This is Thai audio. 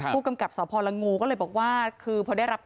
พูดกำกลับสภรงูก็เลยบอกว่าคือพอได้รับแจ้งเนี่ย